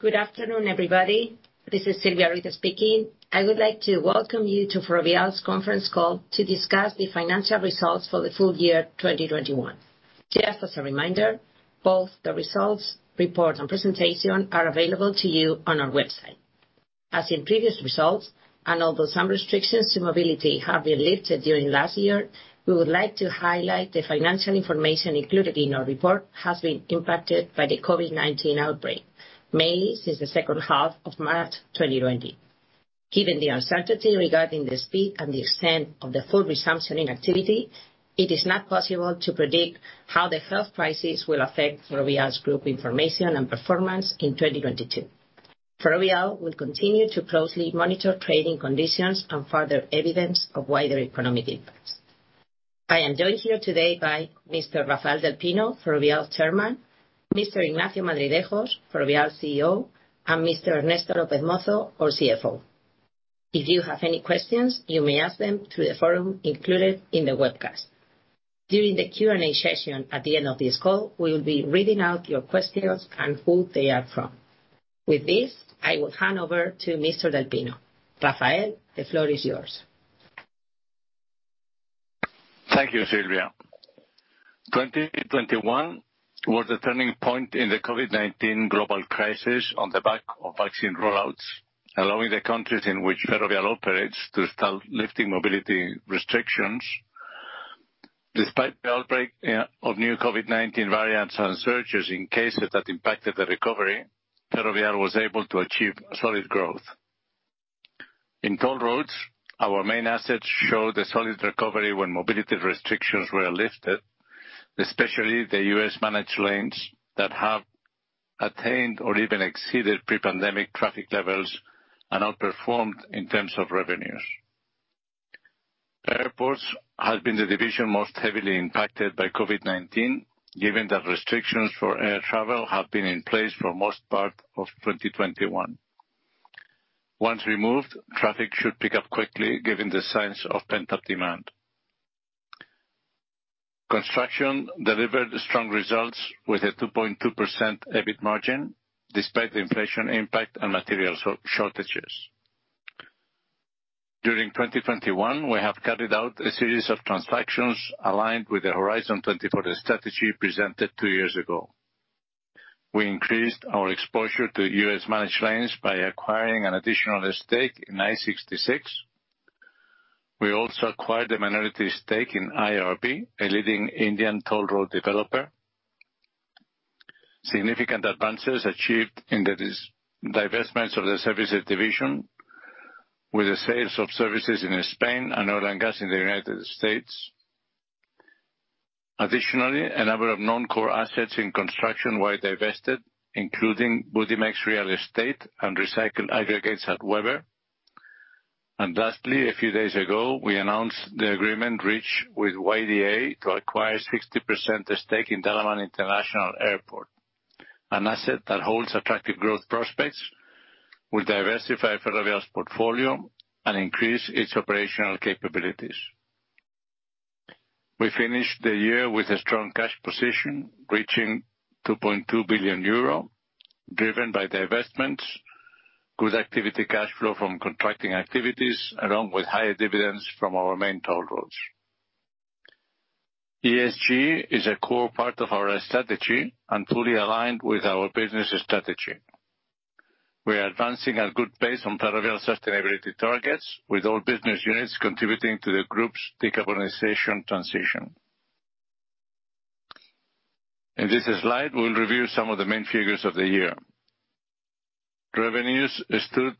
Good afternoon, everybody. This is Silvia Ruiz speaking. I would like to Welcome you to Ferrovial's conference call to discuss the financial results for the full year 2021. Just as a reminder, both the results, report, and presentation are available to you on our website. As in previous results, although some restrictions to mobility have been lifted during last year, we would like to highlight the financial information included in our report has been impacted by the COVID-19 outbreak, mainly since the second half of March 2020. Given the uncertainty regarding the speed and the extent of the full resumption in activity, it is not possible to predict how the health crisis will affect Ferrovial's group information and performance in 2022. Ferrovial will continue to closely monitor trading conditions and further evidence of wider economic impacts. I am joined here today by Mr. Rafael del Pino, Ferrovial's Chairman, Mr. Ignacio Madridejos, Ferrovial's CEO, and Mr. Ernesto López Mozo, our CFO. If you have any questions, you may ask them through the forum included in the webcast. During the Q&A session at the end of this call, we will be reading out your questions and who they are from. With this, I will hand over to Mr. del Pino. Rafael, the floor is yours. Thank you, Silvia. 2021 was a turning point in the COVID-19 global crisis on the back of vaccine rollouts, allowing the countries in which Ferrovial operates to start lifting mobility restrictions. Despite the outbreak of new COVID-19 variants and surges in cases that impacted the recovery, Ferrovial was able to achieve solid growth. In toll roads, our main assets showed a solid recovery when mobility restrictions were lifted, especially the U.S. managed lanes that have attained or even exceeded pre-pandemic traffic levels and outperformed in terms of revenues. Airports have been the division most heavily impacted by COVID-19, given that restrictions for air travel have been in place for most part of 2021. Once removed, traffic should pick up quickly given the signs of pent-up demand. Construction delivered strong results with a 2.2% EBIT margin despite the inflation impact and material shortages. During 2021, we have carried out a series of transactions aligned with the Horizon 24 strategy presented two years ago. We increased our exposure to U.S. managed lanes by acquiring an additional stake in I-66. We also acquired a minority stake in IRB, a leading Indian toll road developer. Significant advances achieved in the divestments of the services division with the sales of services in Spain and oil and gas in the United States. Additionally, a number of non-core assets in construction were divested, including Budimex Nieruchomości and recycled aggregates at Webber. Lastly, a few days ago, we announced the agreement reached with YDA to acquire 60% stake in Dalaman International Airport, an asset that holds attractive growth prospects, will diversify Ferrovial's portfolio, and increase its operational capabilities. We finished the year with a strong cash position, reaching 2.2 billion euro, driven by the investments, good activity cash flow from contracting activities, along with higher dividends from our main toll roads. ESG is a core part of our strategy and fully aligned with our business strategy. We are advancing a good base on Ferrovial sustainability targets, with all business units contributing to the group's decarbonization transition. In this slide, we'll review some of the main figures of the year. Revenues stood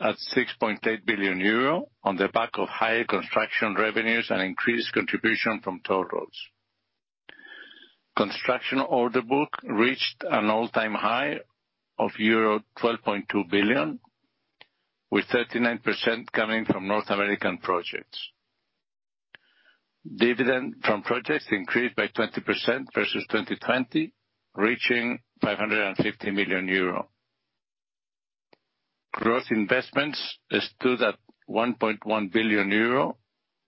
at 6.8 billion euro on the back of higher construction revenues and increased contribution from toll roads. Construction order book reached an all-time high of euro 12.2 billion, with 39% coming from North American projects. Dividend from projects increased by 20% versus 2020, reaching 550 million euro. Gross investments stood at 1.1 billion euro,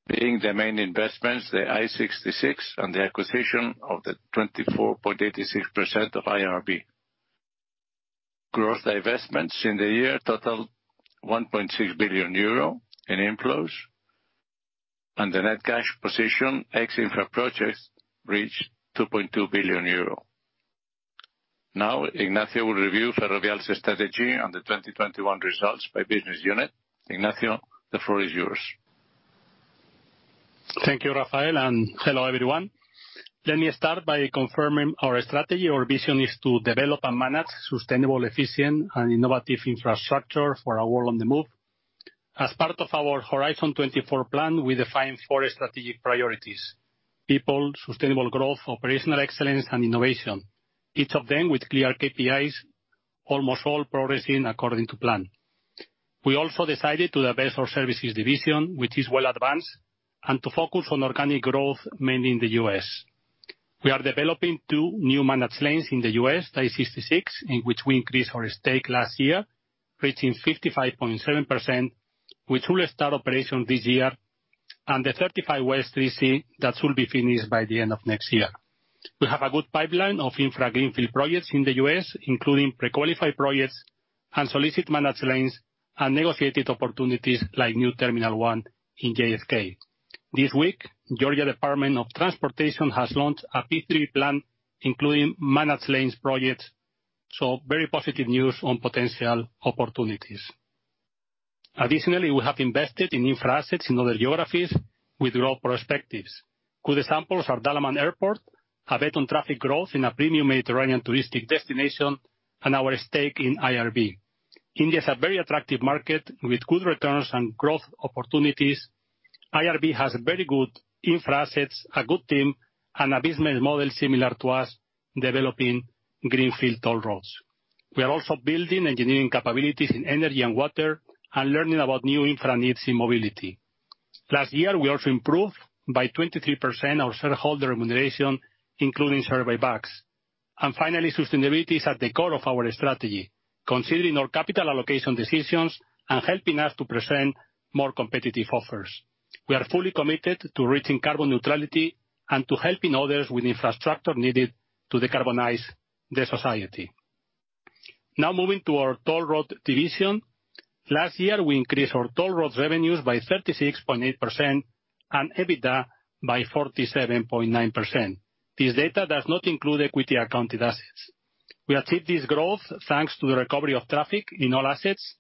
being the main investments the I-66 and the acquisition of the 24.86% of IRB. Gross divestments in the year totaled 1.6 billion euro in inflows, and the net cash position, ex infra projects, reached 2.2 billion euro. Now Ignacio will review Ferrovial's strategy and the 2021 results by business unit. Ignacio, the floor is yours. Thank you, Rafael, and hello, everyone. Let me start by confirming our strategy. Our vision is to develop and manage sustainable, efficient, and innovative infrastructure for a world on the move. As part of our Horizon 24 plan, we define four strategic priorities: people, sustainable growth, operational excellence, and innovation. Each of them with clear KPIs, almost all progressing according to plan. We also decided to divest our services division, which is well advanced, and to focus on organic growth, mainly in the U.S. We are developing two new managed lanes in the U.S., I-66, in which we increased our stake last year, reaching 55.7%. We truly start operation this year. The 35W 3C that will be finished by the end of next year. We have a good pipeline of infra greenfield projects in the U.S., including pre-qualified projects and solicited managed lanes and negotiated opportunities like New Terminal One in JFK. This week, Georgia Department of Transportation has launched a P3 plan, including managed lanes projects. Very positive news on potential opportunities. Additionally, we have invested in infra-assets in other geographies with long perspectives. Good examples are Dalaman Airport, a bet on traffic growth in a premium Mediterranean touristic destination, and our stake in IRB. India is a very attractive market with good returns and growth opportunities. IRB has very good infra-assets, a good team, and a business model similar to us developing greenfield toll roads. We are also building engineering capabilities in energy and water and learning about new infra needs in mobility. Last year, we also improved by 23% our shareholder remuneration, including share buybacks. Finally, sustainability is at the core of our strategy, considering our capital allocation decisions and helping us to present more competitive offers. We are fully committed to reaching carbon neutrality and to helping others with infrastructure needed to decarbonize their society. Now, moving to our toll road division. Last year, we increased our toll roads revenues by 36.8% and EBITDA by 47.9%. This data does not include equity accounted assets. We achieved this growth thanks to the recovery of traffic in all assets.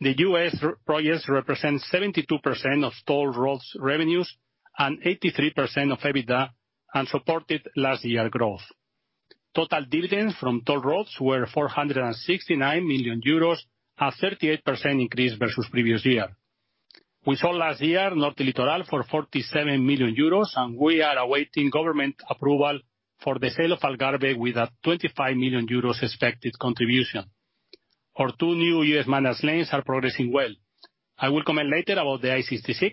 The U.S. our projects represent 72% of toll roads revenues and 83% of EBITDA and supported last year growth. Total dividends from toll roads were 469 million euros, a 38% increase versus previous year. We sold last year Norte Litoral for 47 million euros, and we are awaiting government approval for the sale of Algarve with a 25 million euros expected contribution. Our two new U.S. managed lanes are progressing well. I will comment later about the I-66,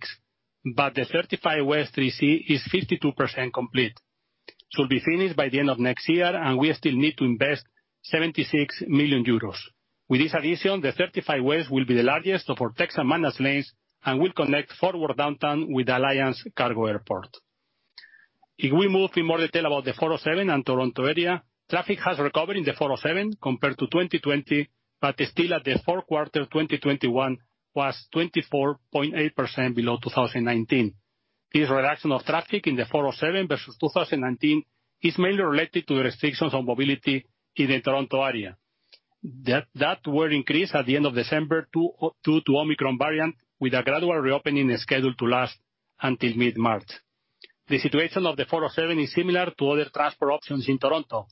but the 35W 3C is 52% complete. It will be finished by the end of next year, and we still need to invest 76 million euros. With this addition, the 35W will be the largest of our Texas managed lanes and will connect Fort Worth downtown with Alliance Cargo Airport. If we move in more detail about the 407 and Toronto area, traffic has recovered in the 407 compared to 2020, but still at the fourth quarter 2021 was 24.8% below 2019. This reduction of traffic in the 407 versus 2019 is mainly related to restrictions on mobility in the Toronto area. That were increased at the end of December due to Omicron variant with a gradual reopening scheduled to last until mid-March. The situation of the 407 is similar to other transport options in Toronto.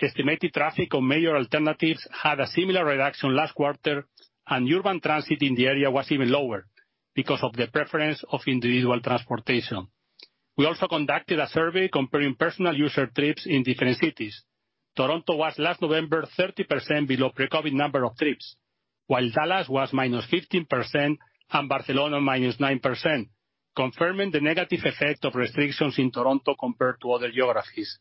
Estimated traffic on major alternatives had a similar reduction last quarter, and urban transit in the area was even lower because of the preference of individual transportation. We also conducted a survey comparing personal user trips in different cities. Toronto was last November 30% below pre-COVID number of trips, while Dallas was -15% and Barcelona -9%, confirming the negative effect of restrictions in Toronto compared to other geographies.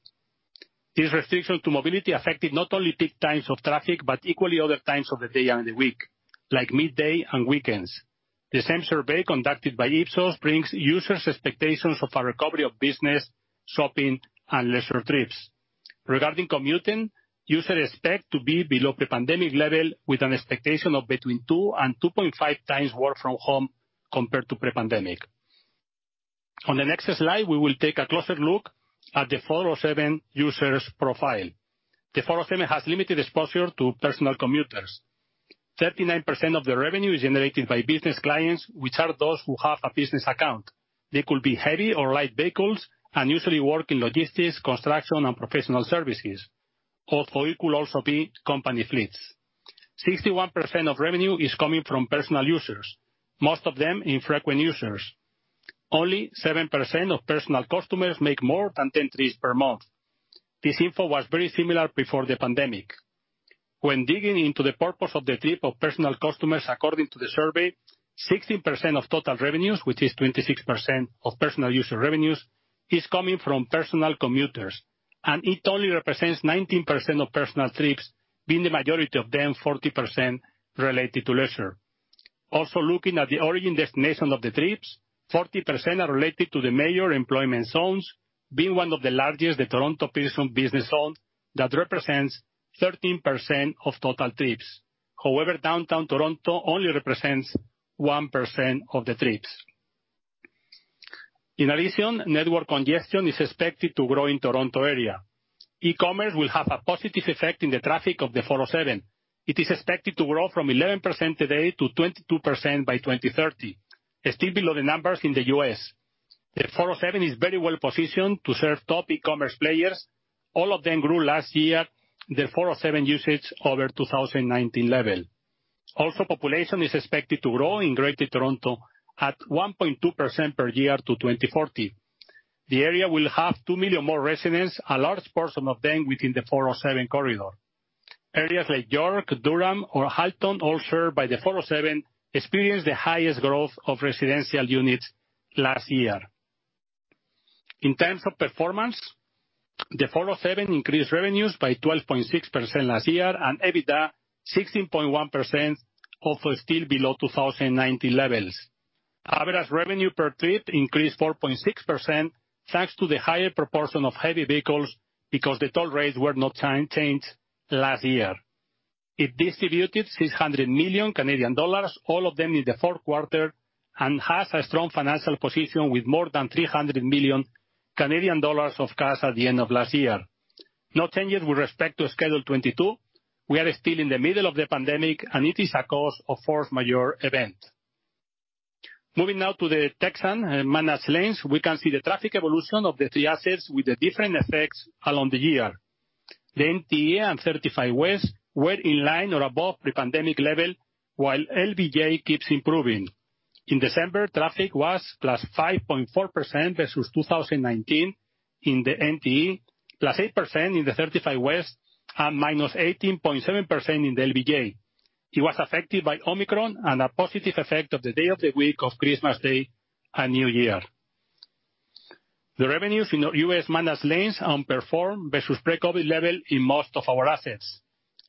These restrictions to mobility affected not only peak times of traffic, but equally other times of the day and the week, like midday and weekends. The same survey conducted by Ipsos brings users' expectations of a recovery of business, shopping and leisure trips. Regarding commuting, users expect to be below pre-pandemic level with an expectation of between 2x and 2.5x work from home compared to pre-pandemic. On the next slide, we will take a closer look at the 407 user's profile. The 407 has limited exposure to personal commuters. 39% of the revenue is generated by business clients, which are those who have a business account. They could be heavy or light vehicles and usually work in logistics, construction, and professional services, although it could also be company fleets. 61% of revenue is coming from personal users, most of them infrequent users. Only 7% of personal customers make more than 10 trips per month. This info was very similar before the pandemic. When digging into the purpose of the trip of personal customers according to the survey, 16% of total revenues, which is 26% of personal user revenues, is coming from personal commuters, and it only represents 19% of personal trips being the majority of them, 40% related to leisure. Also, looking at the origin destination of the trips, 40% are related to the major employment zones, being one of the largest, the Toronto Pearson business zone that represents 13% of total trips. However, downtown Toronto only represents 1% of the trips. In addition, network congestion is expected to grow in Toronto area. E-commerce will have a positive effect in the traffic of the 407. It is expected to grow from 11% today to 22% by 2030. Still below the numbers in the U.S. The 407 is very well positioned to serve top e-commerce players. All of them grew last year, the 407 usages over 2019 level. Also, population is expected to grow in Greater Toronto at 1.2% per year to 2040. The area will have two million more residents, a large portion of them within the 407 corridors. Areas like York, Durham or Halton, all served by the 407, experienced the highest growth of residential units last year. In terms of performance, the 407 increased revenues by 12.6% last year and EBITDA 16.1%, also still below 2019 levels. Average revenue per trip increased 4.6% thanks to the higher proportion of heavy vehicles because the toll rates were not changed last year. It distributed 600 million Canadian dollars, all of them in the fourth quarter, and has a strong financial position with more than 300 million Canadian dollars of cash at the end of last year. No changes with respect to Schedule 22. We are still in the middle of the pandemic, and it is a cause of force majeure event. Moving now to the Texan managed lanes, we can see the traffic evolution of the three assets with the different effects along the year. The NTE and 35W were in line or above pre-pandemic level, while LBJ keeps improving. In December, traffic was +5.4% versus 2019 in the NTE, +8% in the 35W, and -18.7% in the LBJ. It was affected by Omicron and a positive effect of the day of the week of Christmas Day and New Year. The revenues in the U.S. managed lanes underperformed versus pre-COVID level in most of our assets.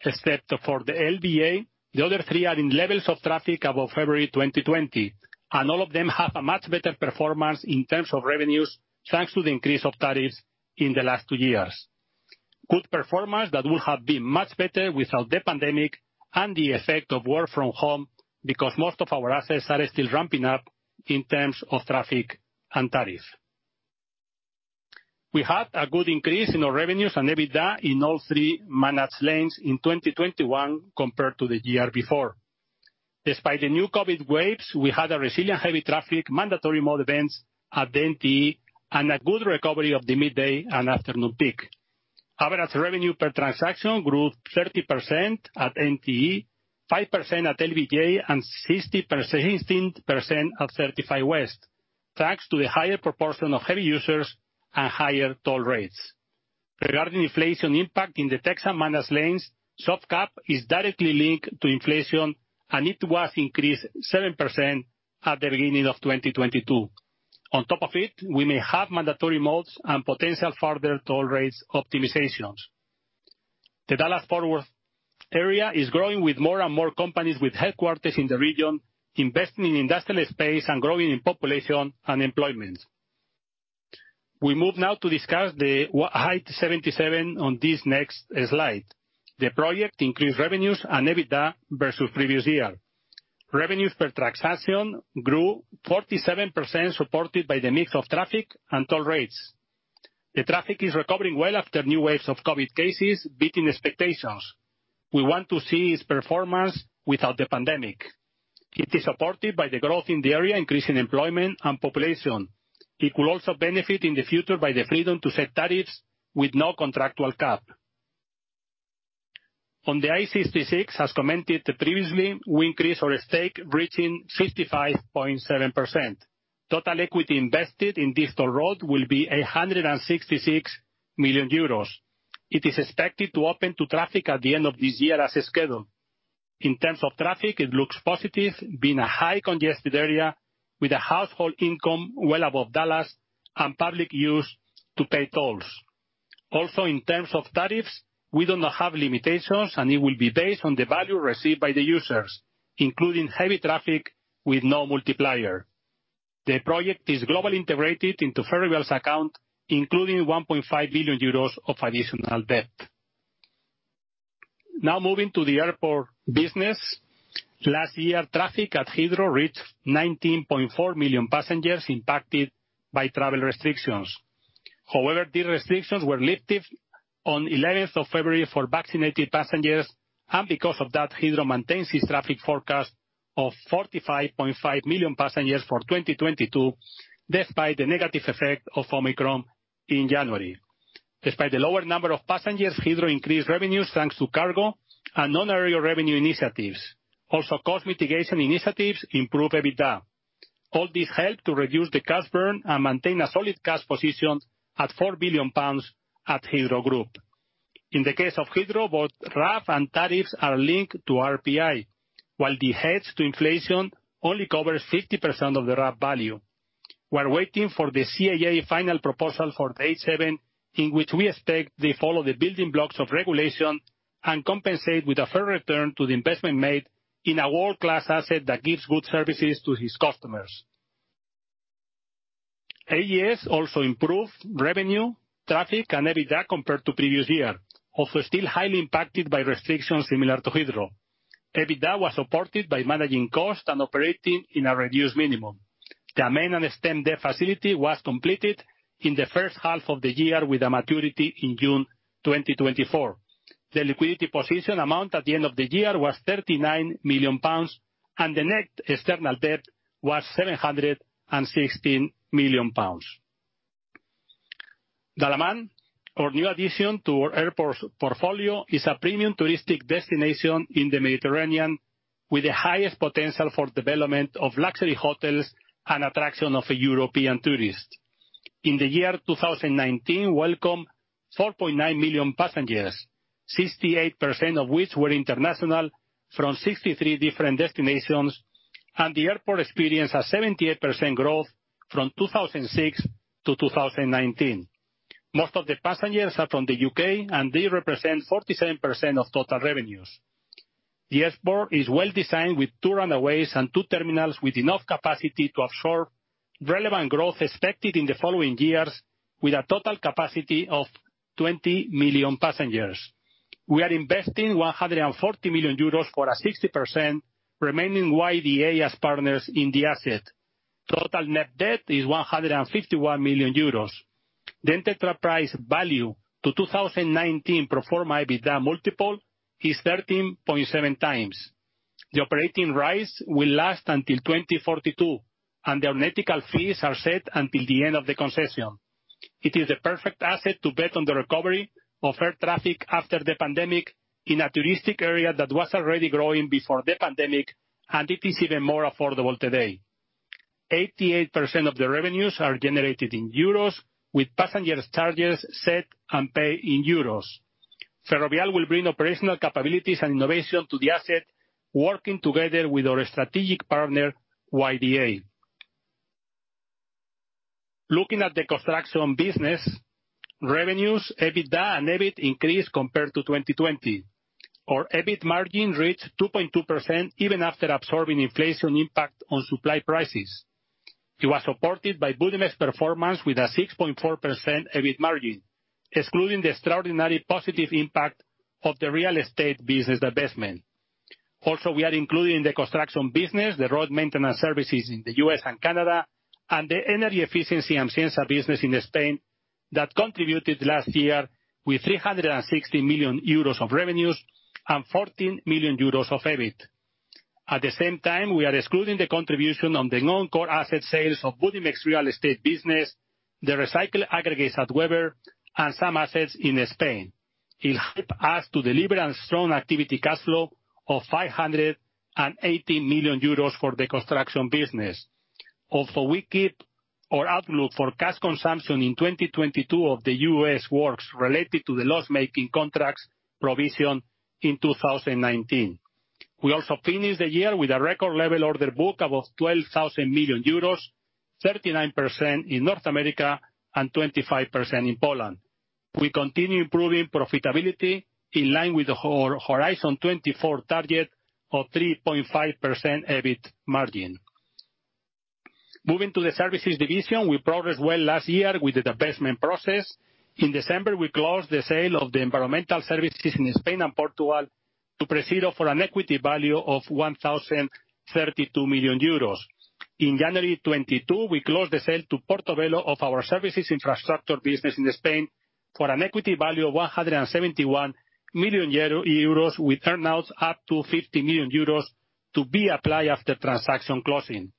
Except for the LBJ, the other three are in levels of traffic above February 2020, and all of them have a much better performance in terms of revenues, thanks to the increase of tariffs in the last two years. Good performance that would have been much better without the pandemic and the effect of work from home, because most of our assets are still ramping up in terms of traffic and tariffs. We had a good increase in our revenues and EBITDA in all three managed lanes in 2021 compared to the year before. Despite the new COVID waves, we had a resilient heavy traffic mandatory modes at the NTE and a good recovery of the midday and afternoon peak. Average revenue per transaction grew 30% at NTE, 5% at LBJ, and 16% at 35W, thanks to the higher proportion of heavy users and higher toll rates. Regarding inflation impact in the Texan managed lanes, soft cap is directly linked to inflation, and it was increased 7% at the beginning of 2022. On top of it, we may have mandatory modes and potential further toll rates optimizations. The Dallas-Fort Worth area is growing with more and more companies with headquarters in the region, investing in industrial space and growing in population and employment. We move now to discuss the I-77 on this next slide. The project increased revenues and EBITDA versus previous year. Revenues per transaction grew 47%, supported by the mix of traffic and toll rates. The traffic is recovering well after new waves of COVID cases, beating expectations. We want to see its performance without the pandemic. It is supported by the growth in the area, increasing employment and population. It will also benefit in the future by the freedom to set tariffs with no contractual cap. On the I-66, as commented previously, we increased our stake, reaching 55.7%. Total equity invested in this toll road will be 166 million euros. It is expected to open to traffic at the end of this year as scheduled. In terms of traffic, it looks positive, being a highly congested area with a household income well above Dallas and public used to pay tolls. Also, in terms of tariffs, we do not have limitations, and it will be based on the value received by the users, including heavy traffic with no multiplier. The project is globally integrated into Ferrovial's account, including 1.5 billion euros of additional debt. Now moving to the airport business. Last year, traffic at Heathrow reached 19.4 million passengers impacted by travel restrictions. However, these restrictions were lifted on 11th of February for vaccinated passengers, and because of that, Heathrow maintains its traffic forecast of 45.5 million passengers for 2022, despite the negative effect of Omicron in January. Despite the lower number of passengers, Heathrow increased revenues thanks to cargo and non-air revenue initiatives. Also, cost mitigation initiatives improve EBITDA. All this helped to reduce the cash burn and maintain a solid cash position at 4 billion pounds at Heathrow group. In the case of Heathrow, both RAV and tariffs are linked to RPI, while the hedge to inflation only covers 50% of the RAV value. We're waiting for the CAA final proposal for H7, in which we expect they follow the building blocks of regulation and compensate with a fair return to the investment made in a world-class asset that gives good services to its customers. AGS also improved revenue, traffic, and EBITDA compared to previous year, also still highly impacted by restrictions similar to Heathrow. EBITDA was supported by managing costs and operating in a reduced minimum. The main and extended debt facility was completed in the first half of the year, with a maturity in June 2024. The liquidity position amounted at the end of the year to 39 million pounds, and the net external debt was 716 million pounds. Dalaman, our new addition to our airports portfolio, is a premium touristic destination in the Mediterranean with the highest potential for development of luxury hotels and attraction of European tourists. In the year 2019, it welcomed 4.9 million passengers. 68% of which were international from 63 different destinations, and the airport experienced a 78% growth from 2006 to 2019. Most of the passengers are from the U.K., and they represent 47% of total revenues. The airport is well designed with two runways and two terminals with enough capacity to absorb relevant growth expected in the following years, with a total capacity of 20 million passengers. We are investing 140 million euros for a 60% remaining YDA as partners in the asset. Total net debt is 151 million euros. The enterprise value to 2019 pro forma EBITDA multiple is 13.7x. The operating rights will last until 2042, and the aeronautical fees are set until the end of the concession. It is the perfect asset to bet on the recovery of air traffic after the pandemic in a touristic area that was already growing before the pandemic, and it is even more affordable today. 88% of the revenues are generated in euros, with passenger charges set and paid in euros. Ferrovial will bring operational capabilities and innovation to the asset, working together with our strategic partner, YDA. Looking at the construction business, revenues, EBITDA and EBIT increased compared to 2020. Our EBIT margin reached 2.2% even after absorbing inflation impact on supply prices. It was supported by Budimex performance with a 6.4% EBIT margin, excluding the extraordinary positive impact of the real estate business divestment. Also, we are including in the construction business, the road maintenance services in the U.S. and Canada, and the energy efficiency and sensor business in Spain that contributed last year with 360 million euros of revenues and 14 millions euros of EBIT. At the same time, we are excluding the contribution of the non-core asset sales of Budimex real estate business, the recycled aggregates at Webber, and some assets in Spain. It helped us to deliver a strong activity cash flow of 580 million euros for the construction business. Also, we keep our outlook for cash consumption in 2022 of the U.S. works related to the loss-making contracts provision in 2019. We also finished the year with a record level order book, about 12 billion euros, 39% in North America and 25% in Poland. We continue improving profitability in line with our Horizon 24 target of 3.5% EBIT margin. Moving to the services division. We progressed well last year with the divestment process. In December, we closed the sale of the environmental services in Spain and Portugal to PreZero for an equity value of 1,032 million euros. In January 2022, we closed the sale to Portobello Capital of our services infrastructure business in Spain for an equity value of 171 million euros, with earnouts up to 50 million euros to be applied after transaction closing.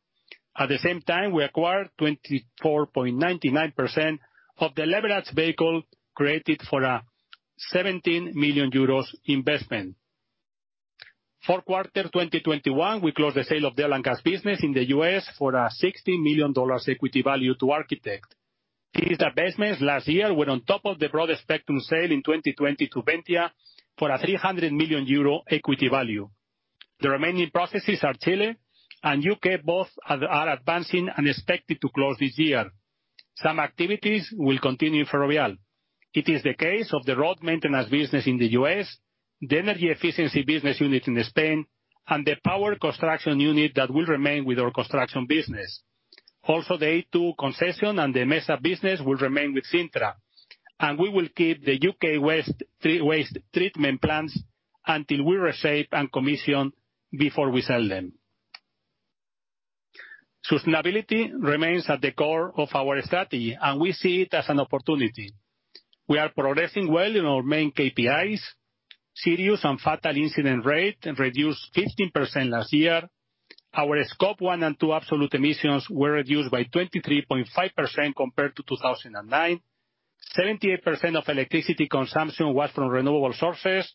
At the same time, we acquired 24.99% of the leverage vehicle created for 17 million euros investment. For quarter 2021, we closed the sale of the landfill gas business in the U.S. for a $60 million equity value to Architect Equity. These divestments last year were on top of the Broadspectrum sale in 2020 to Ventia for a 300 million euro equity value. The remaining processes are Chile and U.K., both are advancing and expected to close this year. Some activities will continue with Ferrovial. It is the case of the road maintenance business in the U.S., the energy efficiency business unit in Spain, and the power construction unit that will remain with our construction business. Also, the A2 concession and the Mesa business will remain with Cintra, and we will keep the U.K. Waste Treatment plants until we reshape and commission before we sell them. Sustainability remains at the core of our strategy, and we see it as an opportunity. We are progressing well in our main KPIs. The serious and fatal incident rate reduced 15% last year. Our Scope one and two absolute emissions were reduced by 23.5% compared to 2009. 78% of electricity consumption was from renewable sources.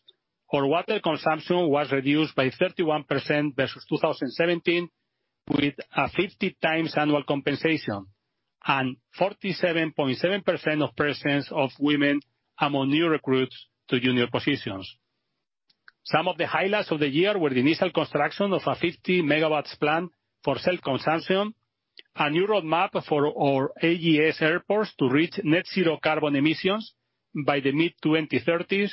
Our water consumption was reduced by 31% versus 2017, with a 50x annual compensation. 47.7% of presence of women among new recruits to junior positions. Some of the highlights of the year were the initial construction of a 50 MW plant for self-consumption. A new roadmap for our AGS airports to reach net zero carbon emissions by the mid-2030s.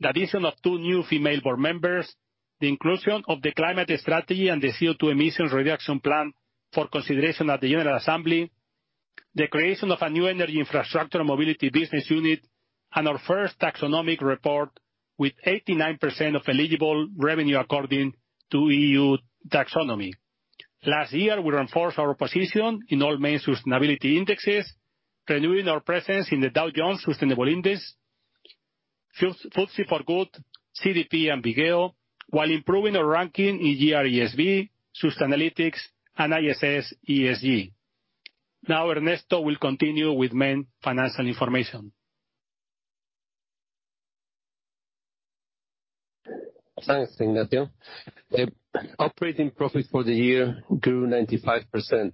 The addition of two new female board members. The inclusion of the climate strategy and the CO2 emissions reduction plan for consideration at the annual assembly. The creation of a new energy infrastructure mobility business unit, and our first taxonomy report with 89% of eligible revenue according to EU taxonomy. Last year, we reinforced our position in all main sustainability indexes, renewing our presence in the Dow Jones Sustainability Indices, FTSE4Good, CDP, and Vigeo Eiris, while improving our ranking in GRESB, Sustainalytics, and ISS ESG. Now, Ernesto will continue with main financial information. Thanks, Ignacio. Operating profit for the year grew 95%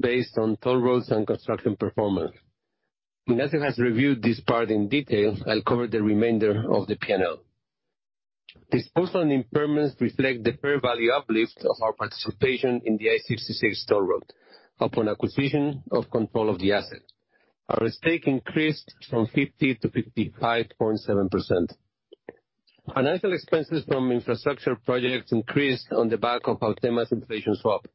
based on toll roads and construction performance. Ignacio has reviewed this part in detail. I'll cover the remainder of the P&L. Disposal and impairments reflect the fair value uplift of our participation in the I-66 toll road upon acquisition of control of the asset. Our stake increased from 50%-55.7%. Financial expenses from infrastructure projects increased on the back of Autema's inflation swap.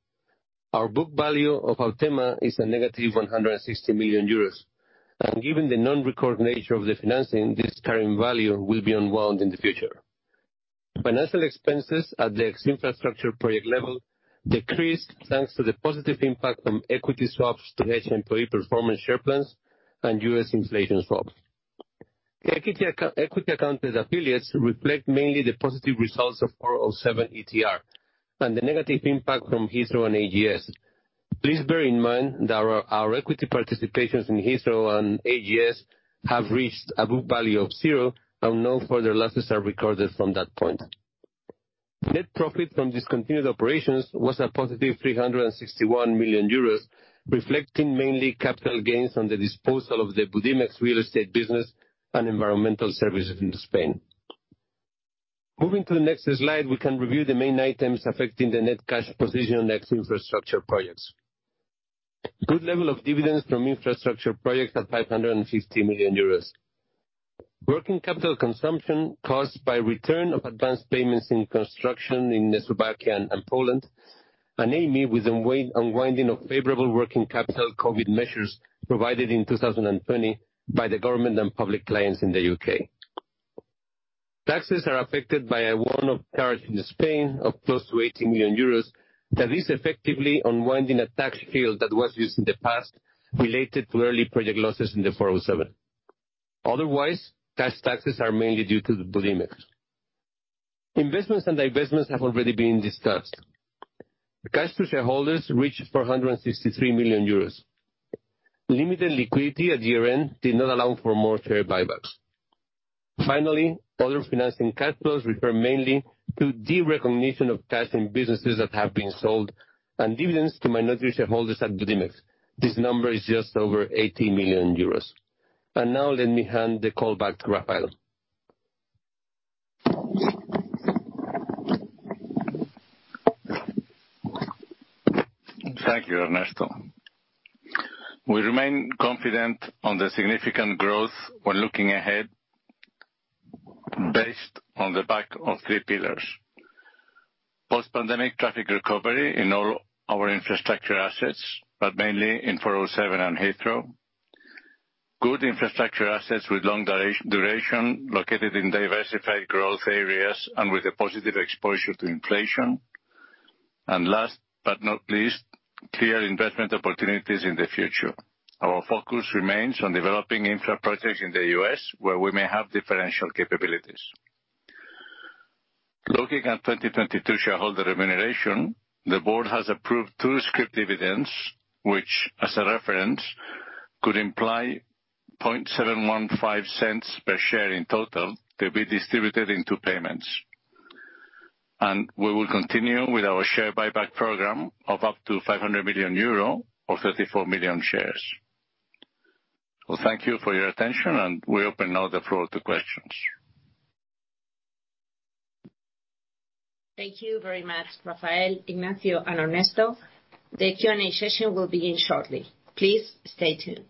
Our book value of Autema is a negative 160 million euros. Given the non-recourse nature of the financing, this current value will be unwound in the future. Financial expenses at the ex-infrastructure project level decreased thanks to the positive impact from equity swaps to LTIP performance share plans and U.S. inflation swaps. Equity accounted affiliates reflect mainly the positive results of 407 ETR and the negative impact from Heathrow and AGS. Please bear in mind that our equity participations in Heathrow and AGS have reached a book value of zero and no further losses are recorded from that point. Net profit from discontinued operations was a positive 361 million euros, reflecting mainly capital gains on the disposal of the Budimex real estate business and environmental services in Spain. Moving to the next slide, we can review the main items affecting the net cash position ex-infrastructure projects. Good level of dividends from infrastructure projects at 550 million euros. Working capital consumption caused by return of advanced payments in construction in Slovakia and Poland, and Amey with unwinding of favorable working capital COVID measures provided in 2020 by the government and public clients in the U.K. Taxes are affected by a one-off charge in Spain of close to 80 million euros that is effectively unwinding a tax shield that was used in the past related to early project losses in the 407. Otherwise, cash taxes are mainly due to the Budimex. Investments and divestments have already been discussed. Cash to shareholders reached 463 million euros. Limited liquidity at year-end did not allow for more share buybacks. Finally, other financing capitals refer mainly to derecognition of cash in businesses that have been sold and dividends to minority shareholders at Budimex. This number is just over 80 million euros. Now let me hand the call back to Rafael. Thank you, Ernesto. We remain confident on the significant growth when looking ahead based on the back of three pillars. Post-pandemic traffic recovery in all our infrastructure assets, but mainly in 407 and Heathrow. Good infrastructure assets with long duration located in diversified growth areas and with a positive exposure to inflation. Last but not least, clear investment opportunities in the future. Our focus remains on developing infra projects in the U.S., where we may have differential capabilities. Looking at 2022 shareholder remuneration, the board has approved two scrip dividends, which as a reference, could imply 0.715 per share in total to be distributed in two payments. We will continue with our share buyback program of up to 500 million euro or 34 million shares. Well, thank you for your attention, and we open now the floor to questions. Thank you very much, Rafael, Ignacio, and Ernesto. The Q&A session will begin shortly. Please stay tuned.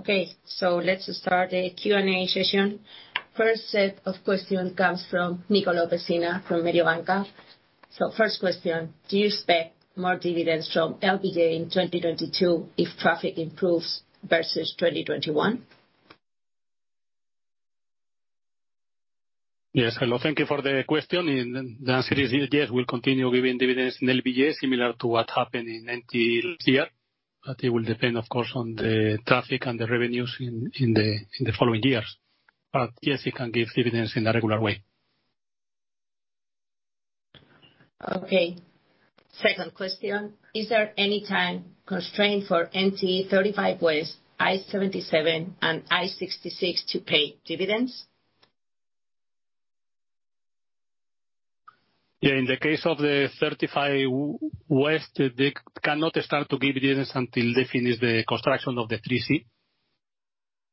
Okay. Let's start the Q&A session. First set of question comes from Nicolò Pessina from Mediobanca. First question: Do you expect more dividends from LBJ in 2022 if traffic improves versus 2021? Yes. Hello. Thank you for the question, and the answer is yes, we'll continue giving dividends in LBJ, similar to what happened in NTE year. It will depend, of course, on the traffic and the revenues in the following years. Yes, it can give dividends in the regular way. Okay. Second question: Is there any time constraint for NTE 35W, I-77, and I-66 to pay dividends? In the case of the 35W, they cannot start to give dividends until they finish the construction of the 3C.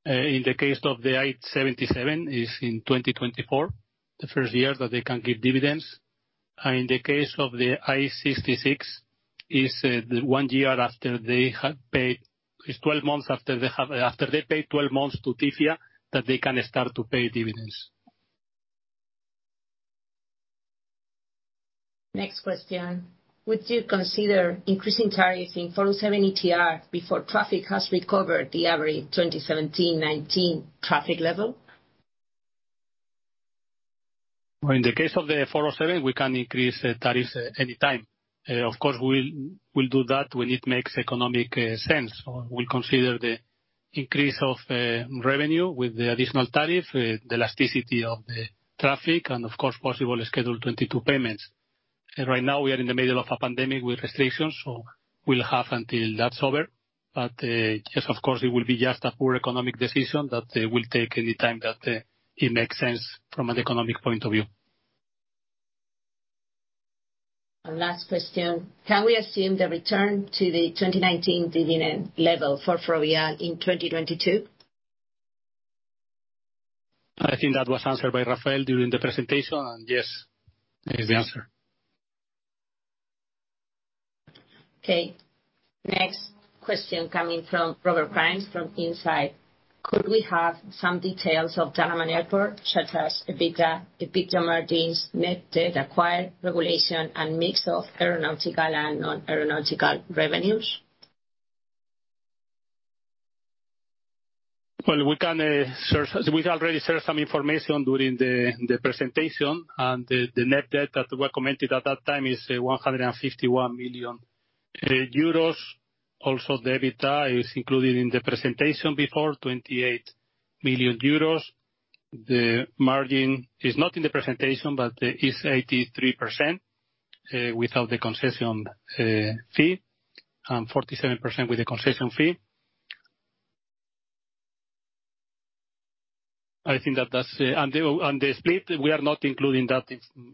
In the case of the I-77, it's in 2024, the first year that they can give dividends. In the case of the I-66, it's 12 months after they pay 12 months to TIFIA that they can start to pay dividends. Next question: Would you consider increasing tariffs in 407 ETR before traffic has recovered the average 2017-2019 traffic level? Well, in the case of the 407, we can increase tariffs anytime. Of course, we'll do that when it makes economic sense. We consider the increase of revenue with the additional tariff, the elasticity of the traffic and of course, possible Schedule 2022 payments. Right now, we are in the middle of a pandemic with restrictions, so we'll have until that's over. Yes, of course, it will be just a poor economic decision that we'll take any time that it makes sense from an economic point of view. Last question: Can we assume the return to the 2019 dividend level for Ferrovial in 2022? I think that was answered by Rafael during the presentation, and yes is the answer. Okay. Next question coming from Ruairi Cullinane from Insight. Could we have some details of Panama Airport, such as EBITDA margins, net debt acquired, regulation, and mix of aeronautical and non-aeronautical revenues? Well, we've already shared some information during the presentation, and the net debt that we commented at that time is 151 million euros. Also, the EBITDA is included in the presentation before, 28 million euros. The margin is not in the presentation, but it's 83% without the concession fee, and 47% with the concession fee. I think that's it. The split, we are not including that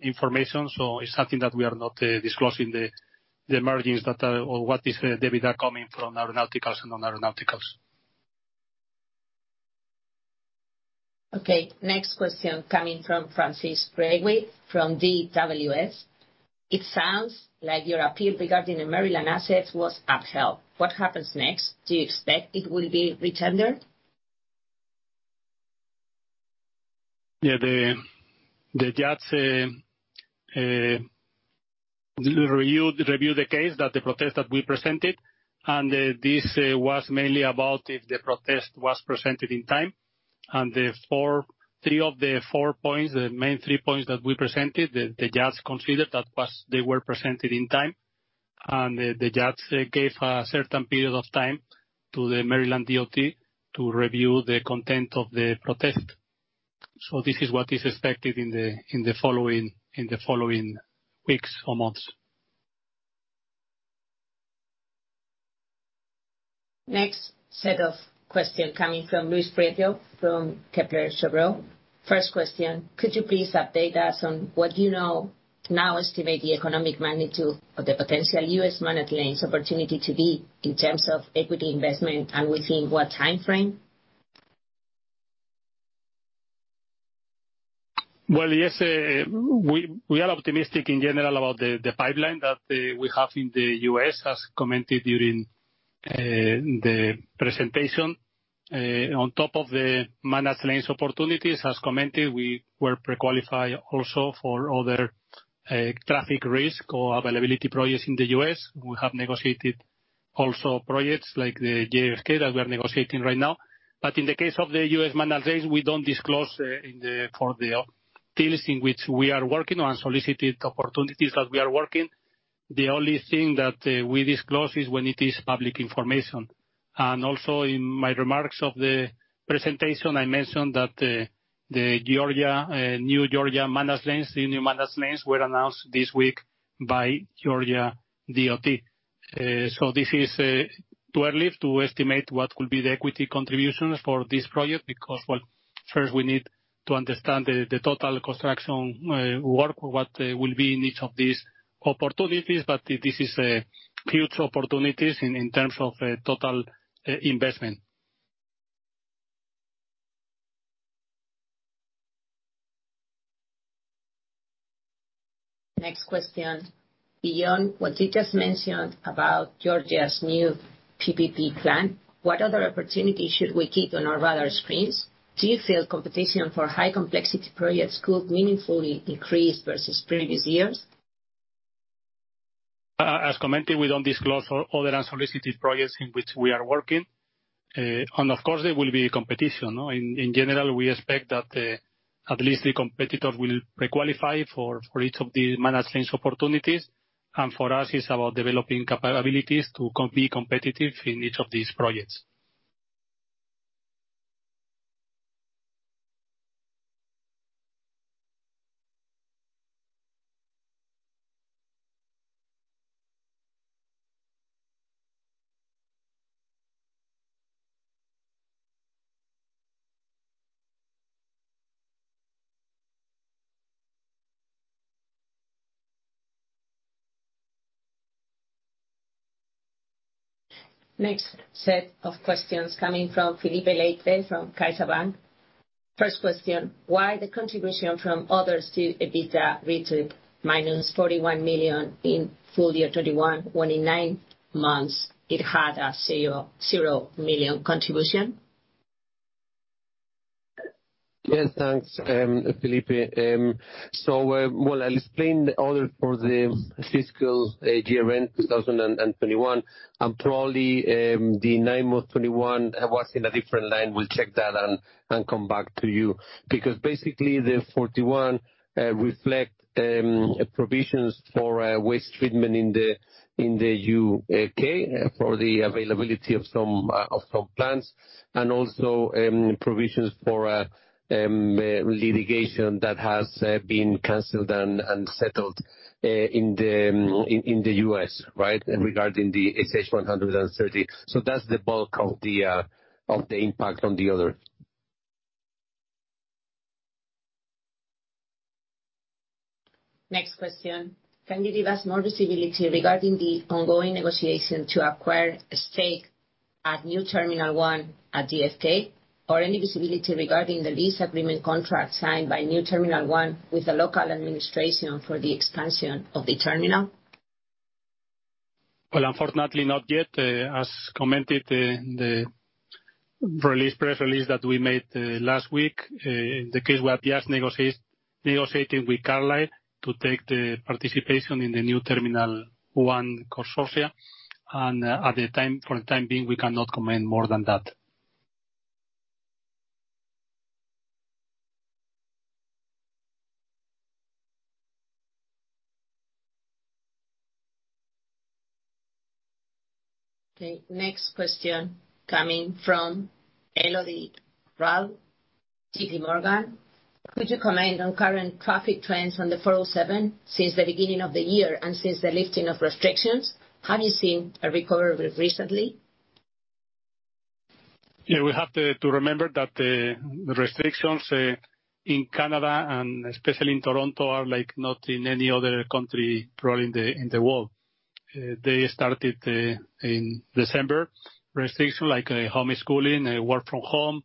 information, so it's something that we are not disclosing, the margins that are, or what is EBITDA coming from aeronautical and non-aeronautical. Okay. Next question coming from Francis Gregory from DWS. It sounds like your appeal regarding the Maryland assets was upheld. What happens next? Do you expect it will be retendered? The judge reviewed the case, the protest that we presented, and this was mainly about if the protest was presented in time. Three of the four points, the main three points that we presented, the judge considered that they were presented in time, and the judge gave a certain period of time to the Maryland DOT to review the content of the protest. This is what is expected in the following weeks or months. Next set of questions coming from Luis Prieto from Kepler Cheuvreux. First question, could you please update us on what you now estimate the economic magnitude of the potential U.S. managed lanes opportunity to be in terms of equity investment and within what timeframe? Well, yes, we are optimistic in general about the pipeline that we have in the U.S., as commented during the presentation. On top of the managed lanes opportunities, as commented, we were pre-qualified also for other traffic risk or availability projects in the U.S. We have negotiated also projects like the JFK that we are negotiating right now. In the case of the U.S. managed lanes, we don't disclose for the deals in which we are working on, unsolicited opportunities that we are working. The only thing that we disclose is when it is public information. In my remarks of the presentation, I mentioned that the new Georgia managed lanes were announced this week by Georgia DOT. This is too early to estimate what will be the equity contribution for this project because first we need to understand the total construction work what will be in each of these opportunities. This is huge opportunities in terms of total investment. Next question. Beyond what you just mentioned about Georgia's new PPP plan, what other opportunities should we keep on our radar screens? Do you feel competition for high complexity projects could meaningfully increase versus previous years? As commented, we don't disclose other unsolicited projects in which we are working. Of course there will be competition, no? In general, we expect that at least the competitor will pre-qualify for each of the managed lane's opportunities. For us, it's about developing capabilities to be competitive in each of these projects. Next set of questions coming from Felipe Latre from CaixaBank. First question, why the contribution from others to EBITDA reached -41 million in full year 2021 when in nine months it had a 0.0 million contribution? Yes, thanks, Felipe. I'll explain the other for the fiscal year end 2021, and probably the nine months 2021 was in a different line. We'll check that and come back to you. Because basically the 41 reflect provisions for waste treatment in the U.K. for the availability of some plants, and also provisions for litigation that has been canceled and settled in the U.S., right? Regarding the SH 130. That's the bulk of the impact on the other. Next question. Can you give us more visibility regarding the ongoing negotiation to acquire a stake at New Terminal One at JFK? Or any visibility regarding the lease agreement contract signed by New Terminal One with the local administration for the expansion of the terminal? Well, unfortunately not yet. As commented in the release, press release that we made last week, in this case we are just negotiating with Carlyle to take the participation in the New Terminal One consortium. At the time, for the time being, we cannot comment more than that. Okay. Next question coming from Elodie Rall, JPMorgan. Could you comment on current traffic trends on the 407 since the beginning of the year and since the lifting of restrictions? Have you seen a recovery recently? We have to remember that the restrictions in Canada and especially in Toronto are not in any other country probably in the world. They started in December, restrictions like homeschooling, work from home,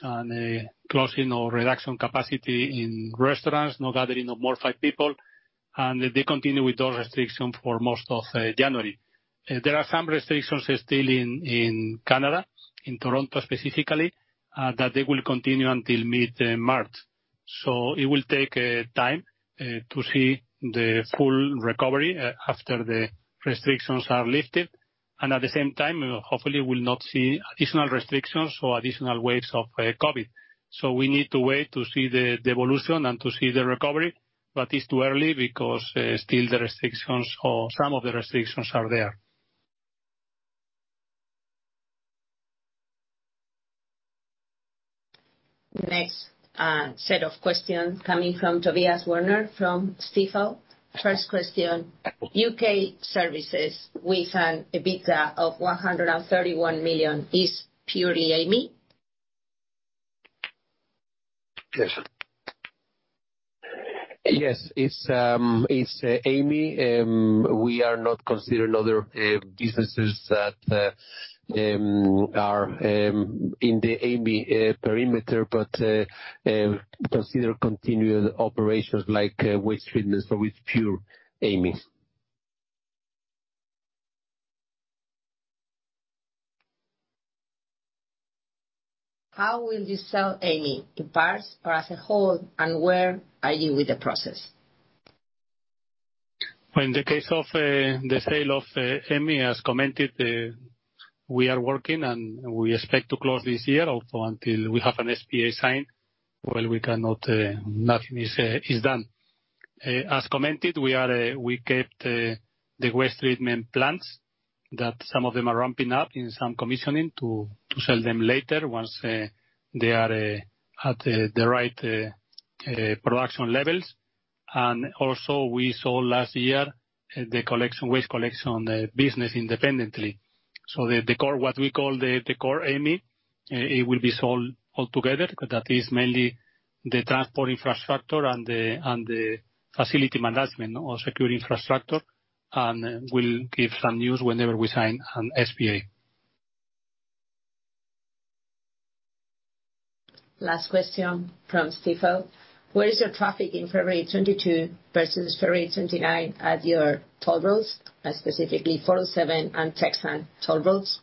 and closing or reduction capacity in restaurants, no gathering of more than five people, and they continue with those restrictions for most of January. There are some restrictions still in Canada, in Toronto specifically, that they will continue until mid-March. It will take time to see the full recovery after the restrictions are lifted. At the same time, hopefully we'll not see additional restrictions or additional waves of COVID. We need to wait to see the evolution and to see the recovery, but it's too early because still the restrictions or some of the restrictions are there. Next, set of questions coming from Tobias Woerner from Stifel. First question, U.K. services with an EBITDA of 131 million is purely Amey? Yes, it's Amey. We are not considering other businesses that are in the Amey perimeter, but consider continued operations like waste treatment, so it's pure Amey. How will you sell Amey, in parts or as a whole, and where are you with the process? In the case of the sale of Amey, as commented, we are working and we expect to close this year or until we have an SPA signed. While we cannot, nothing is done. As commented, we kept the waste treatment plants that some of them are ramping up, some in commissioning to sell them later once they are at the right production levels. Also, we sold last year the waste collection business independently. The core, what we call the core Amey, it will be sold all together, that is mainly the transport infrastructure and the facility management or security infrastructure, and we'll give some news whenever we sign an SPA. Last question from Stifel: Where is your traffic in February 2022 versus February 2029 at your toll roads, specifically 407 and Texas toll roads?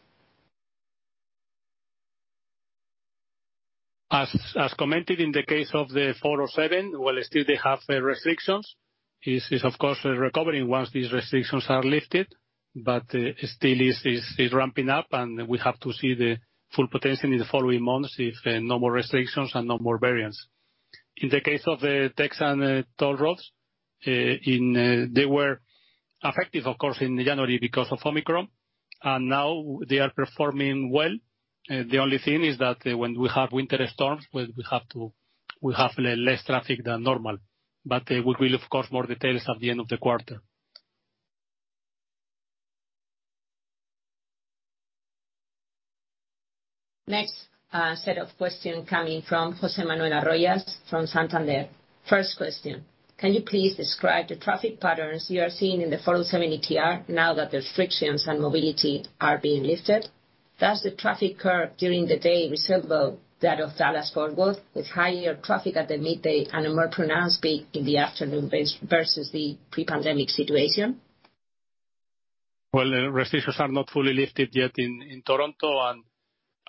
As commented in the case of the 407, well, still they have restrictions. It is, of course, recovering once these restrictions are lifted, but still is ramping up, and we have to see the full potential in the following months if no more restrictions and no more variants. In the case of Texas toll roads, they were affected of course in January because of Omicron, and now they are performing well. The only thing is that when we have winter storms, we have less traffic than normal. We will, of course, more details at the end of the quarter. Next set of questions coming from José Manuel Arroyo from Santander. First question: Can you please describe the traffic patterns you are seeing in the 407 ETR now that restrictions on mobility are being lifted? Does the traffic curve during the day resemble that of Dallas Fort Worth, with higher traffic at the midday and a more pronounced peak in the afternoon versus the pre-pandemic situation? Well, the restrictions are not fully lifted yet in Toronto.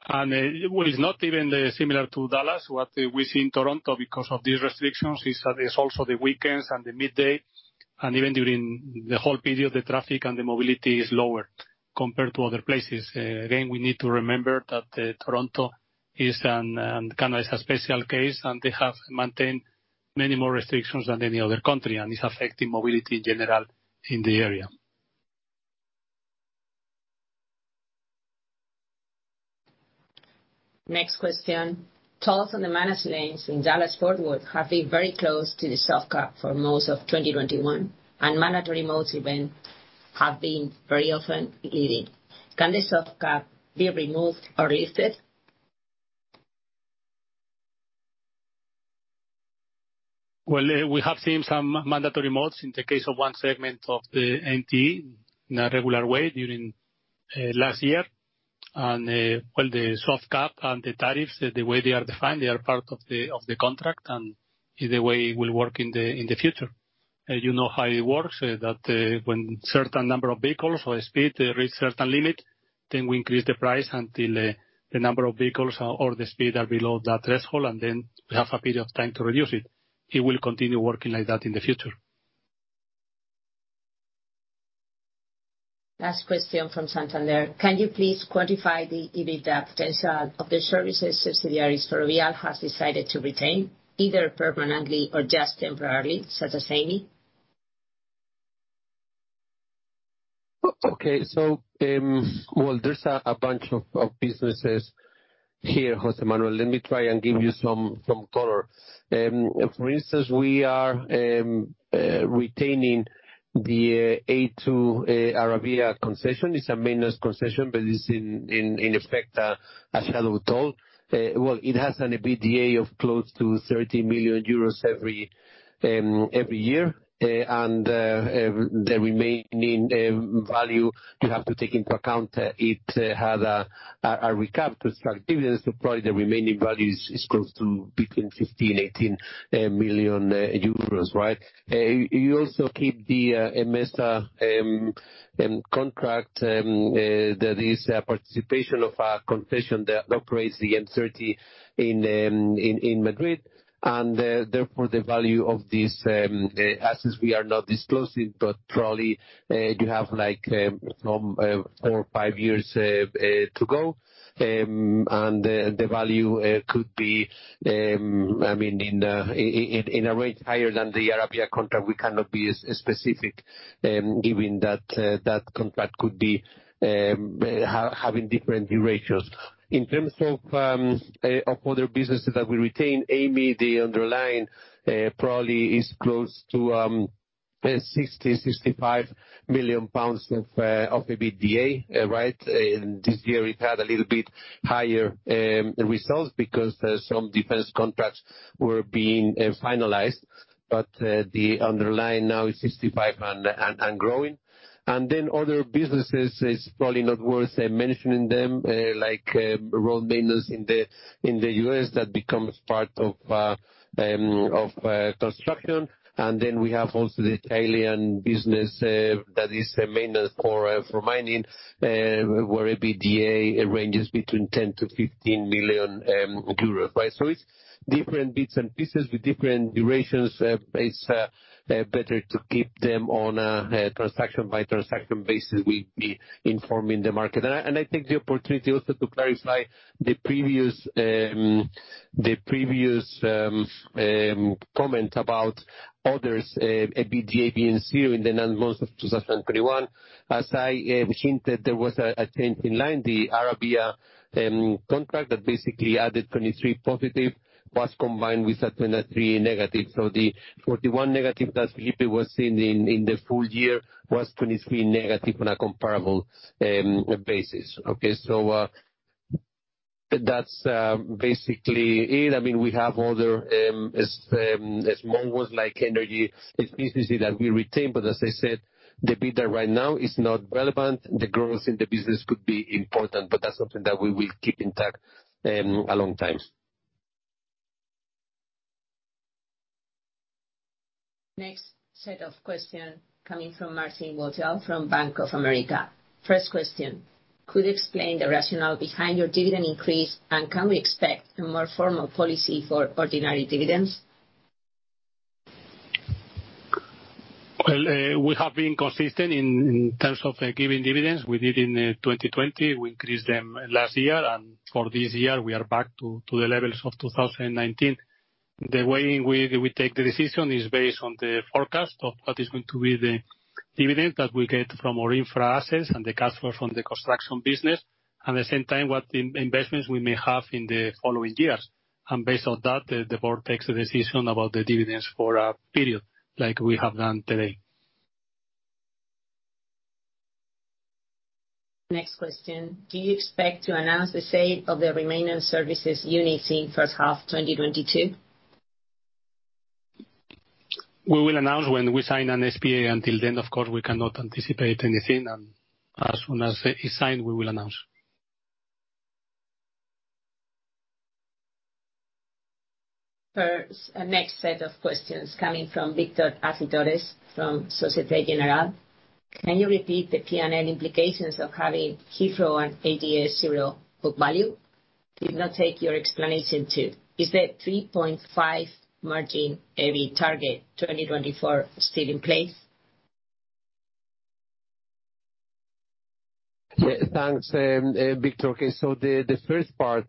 Well, it's not even similar to Dallas. What we see in Toronto, because of these restrictions, is that there's also the weekends and the midday, and even during the whole period, the traffic and the mobility is lower compared to other places. Again, we need to remember that Toronto is a kind of special case, and they have maintained many more restrictions than any other country, and it's affecting mobility in general in the area. Next question: Tolls on the managed lanes in Dallas-Fort Worth have been very close to the soft cap for most of 2021, and mandatory modes even have been very often exceeded. Can the soft cap be removed or lifted? Well, we have seen some mandatory modes in the case of one segment of the NTE in a regular way during last year. Well, the soft cap and the tariffs, the way they are defined, they are part of the contract and is the way it will work in the future. You know how it works, that when certain number of vehicles or speed reach certain limit, then we increase the price until the number of vehicles or the speed are below that threshold, and then we have a period of time to reduce it. It will continue working like that in the future. Last question from Santander: Can you please quantify the EBITDA potential of the services subsidiaries Ferrovial has decided to retain, either permanently or just temporarily, such as Amey? Okay. Well, there's a bunch of businesses here, José Manuel. Let me try and give you some color. For instance, we are retaining the A2 Autovía concession. It's a maintenance concession, but it's in effect a shallow toll. Well, it has an EBITDA of close to 30 million euros every year. The remaining value you have to take into account, it had a recap because activities, so probably the remaining value is close to between 15 million and 18 million euros, right? You also keep the Emesa contract that is a participation of a concession that operates the M-30 in Madrid, and therefore the value of these assets we are not disclosing, but probably you have like some four or five years to go. The value could be I mean, in a rate higher than the Autovía contract, we cannot be specific, given that that contract could be having different durations. In terms of other businesses that we retain, Amey, the underlying probably is close to 65 million pounds of the EBITDA, right? This year it had a little bit higher results because some defense contracts were being finalized. The underlying now is 65% and growing. Then other businesses are probably not worth mentioning them, like road maintenance in the U.S. that becomes part of construction. Then we have also the Italian business that is a maintenance core for mining where EBITDA ranges between 10 million-15 million euros, right? It's different bits and pieces with different durations. It's better to keep them on a transaction-by-transaction basis. We'll be informing the market. I take the opportunity also to clarify the previous comment about others EBITDA being zero in the nine months of 2021. As I hinted, there was a change in line. The Autovía contract that basically added 23 positive was combined with a -23. The -41 that Felipe was seeing in the full year was -23 on a comparable basis. That's basically it. I mean, we have other, small ones like energy businesses that we retain, but as I said, the EBITDA right now is not relevant. The growth in the business could be important, but that's something that we will keep intact, a long time. Next set of questions coming from Marcin Wojtal from Bank of America. First question, could you explain the rationale behind your dividend increase, and can we expect a more formal policy for ordinary dividends? Well, we have been consistent in terms of giving dividends. We did in 2020. We increased them last year. For this year, we are back to the levels of 2019. The way we take the decision is based on the forecast of what is going to be the dividend that we get from our infra-assets and the cash from the construction business, and at the same time, what investments we may have in the following years. Based on that, the board takes a decision about the dividends for a period, like we have done today. Next question. Do you expect to announce the sale of the remaining services unit in first half, 2022? We will announce when we sign an SPA. Until then, of course, we cannot anticipate anything, and as soon as it is signed, we will announce. Next set of questions coming from Victor Acitores from Société Générale. Can you repeat the P&L implications of having Heathrow and AGS zero book value? I did not take your explanation too. Is the 3.5% EBITDA margin target 2024 still in place? Yeah, thanks, Victor. Okay, the first part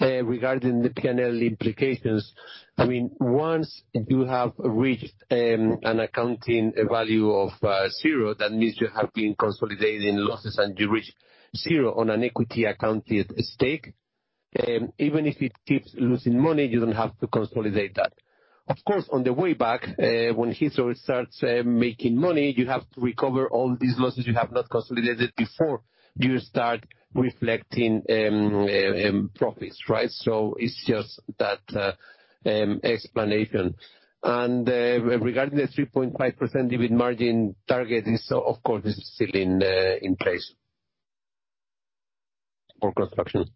regarding the P&L implications, I mean, once you have reached an accounting value of zero, that means you have been consolidating losses, and you reach zero on an equity accounted stake. Even if it keeps losing money, you don't have to consolidate that. Of course, on the way back, when Heathrow starts making money, you have to recover all these losses you have not consolidated before you start reflecting profits, right? It's just that explanation. Regarding the 3.5% EBIT margin target, it's, of course, still in place for construction.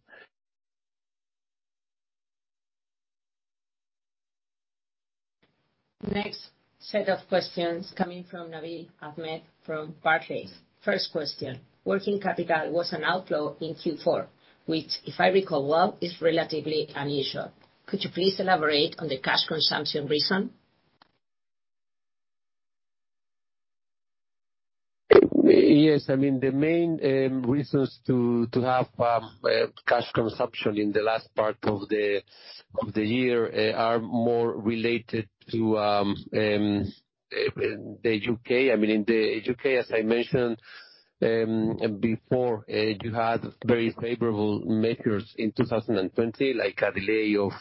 Next set of questions coming from Nabil Ahmed from Barclays. First question, working capital was an outflow in Q4, which if I recall well, is relatively unusual. Could you please elaborate on the cash consumption reason? Yes. I mean, the main reasons to have cash consumption in the last part of the year are more related to the U.K. I mean, in the U.K., as I mentioned before, you had very favorable measures in 2020, like a delay of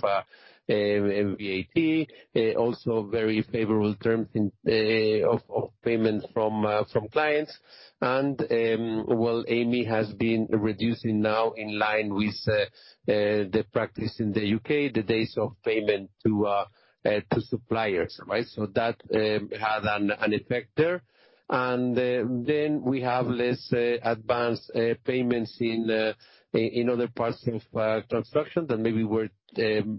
VAT, also very favorable terms in terms of payment from clients. Well, Amey has been reducing now in line with the practice in the U.K., the days of payment to suppliers, right? So that had an effect there. Then we have less advanced payments in other parts of construction that maybe were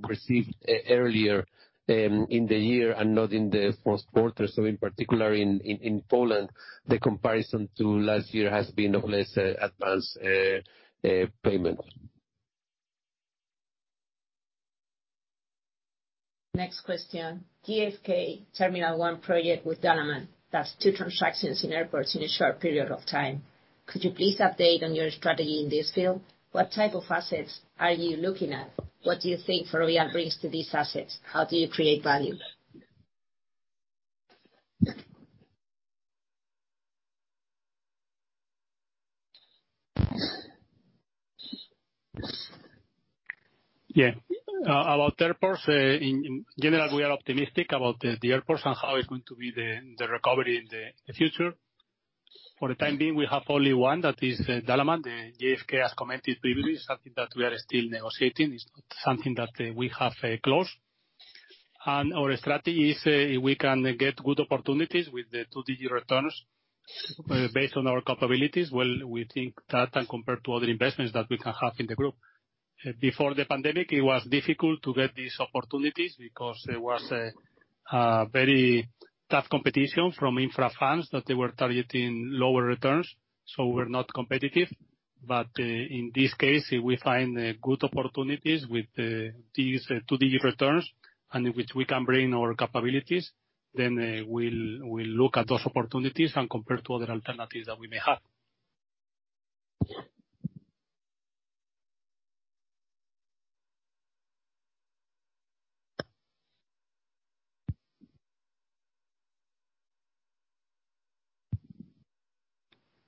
received earlier in the year and not in the first quarter. In particular in Poland, the comparison to last year has been of less advance payment. Next question. JFK Terminal One project with Dalaman. That's two transactions in airports in a short period of time. Could you please update on your strategy in this field? What type of assets are you looking at? What do you think Ferrovial brings to these assets? How do you create value? Yeah. About airports in general, we are optimistic about the airports and how it's going to be the recovery in the future. For the time being, we have only one, that is, Dalaman. The JFK, as commented previously, is something that we are still negotiating. It's not something that we have closed. Our strategy is, if we can get good opportunities with the two-digit returns, based on our capabilities, well, we think that can compare to other investments that we can have in the group. Before the pandemic, it was difficult to get these opportunities because there was a very tough competition from infra funds that they were targeting lower returns, so we're not competitive. In this case, if we find good opportunities with these two-digit returns and in which we can bring our capabilities, then we'll look at those opportunities and compare to other alternatives that we may have.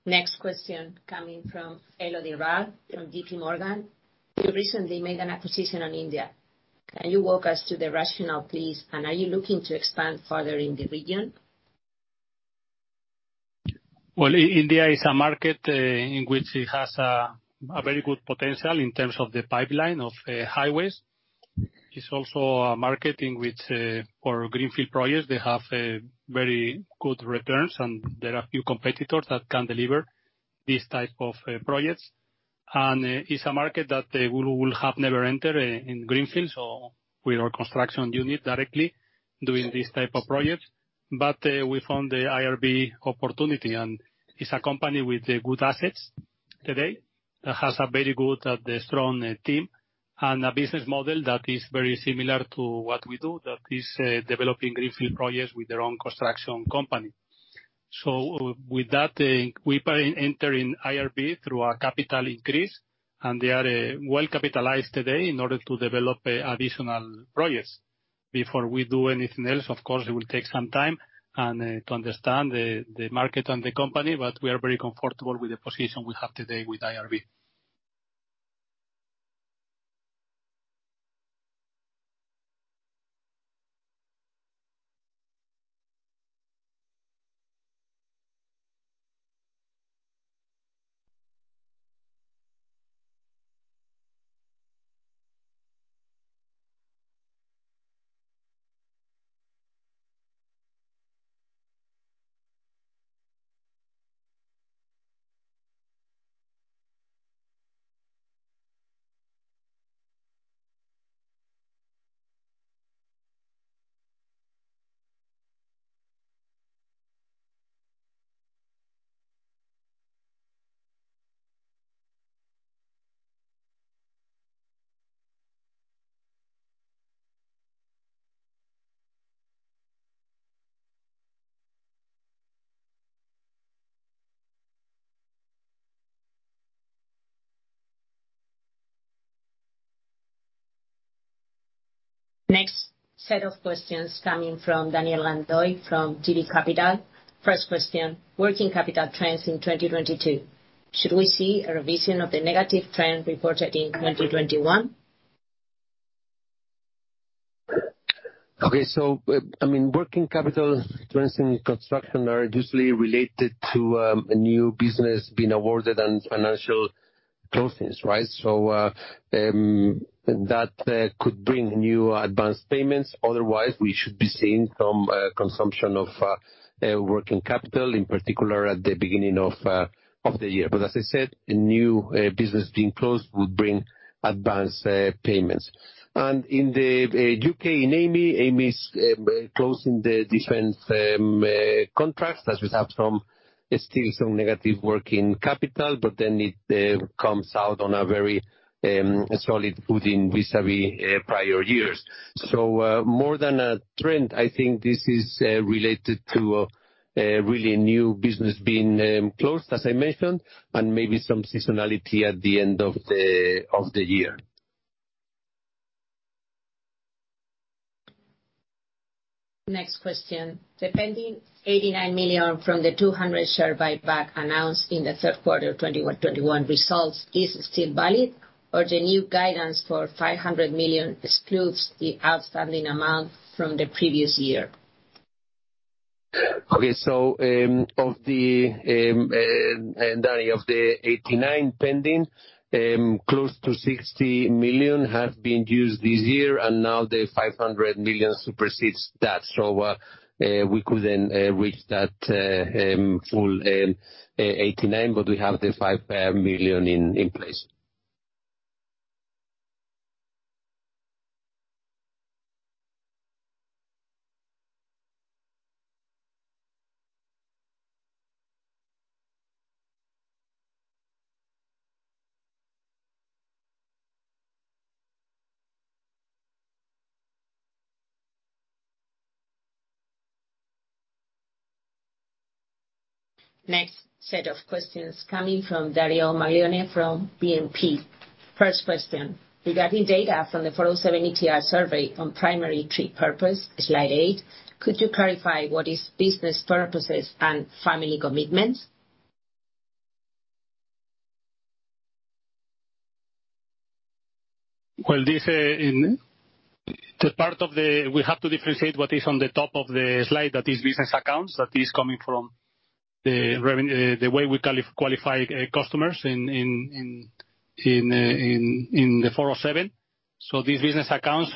Next question coming from Elodie Rall from JPMorgan. You recently made an acquisition in India. Can you walk us through the rationale, please? And are you looking to expand further in the region? Well, India is a market in which it has a very good potential in terms of the pipeline of highways. It's also a market in which, for greenfield projects, they have very good returns, and there are few competitors that can deliver these type of projects. It's a market that we would have never entered in greenfields or with our construction unit directly doing this type of projects. We found the IRB opportunity, and it's a company with good assets today that has a very good strong team and a business model that is very similar to what we do, that is, developing greenfield projects with their own construction company. With that, we plan entering IRB through a capital increase, and they are well capitalized today in order to develop additional projects. Before we do anything else, of course, it will take some time and to understand the market and the company, but we are very comfortable with the position we have today with IRB. Next set of questions coming from Daniel Landoy from JD Capital. First question, working capital trends in 2022. Should we see a revision of the negative trend reported in 2021? Okay, I mean, working capital trends in construction are usually related to a new business being awarded and financial closings, right? That could bring new advance payments. Otherwise, we should be seeing some consumption of working capital, in particular at the beginning of the year. As I said, new business being closed will bring advance payments. In the U.K., in Amey's closing the defense contracts, that will have some still some negative working capital, but then it comes out on a very solid footing vis-à-vis prior year. More than a trend, I think this is related to really new business being closed, as I mentioned, and maybe some seasonality at the end of the year. Next question. The pending 89 million from the 200 million share buyback announced in the third quarter of 2021 results, is it still valid or the new guidance for 500 million excludes the outstanding amount from the previous year? Okay, of the Daniel, of the 89 million pending, close to 60 million have been used this year, and now the 500 million supersedes that. We couldn't reach that full 89, but we have the 5 million in place. Next set of questions coming from Dario Maglione from BNP. First question, regarding data from the 407 ETR survey on primary trip purpose, slide 8, could you clarify what is business purposes and family commitments? Well, we have to differentiate what is on the top of the slide that is business accounts, that is coming from the revenue, the way we qualify customers in the 407. These business accounts